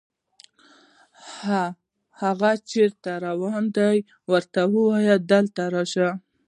هاغه چېرته روان ده، ورته ووایه دلته راشي